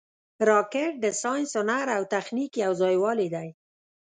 راکټ د ساینس، هنر او تخنیک یو ځای والې دی